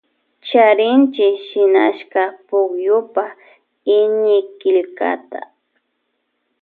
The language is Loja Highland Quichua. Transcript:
Charinchi shinashka pukyupa iñikillkata.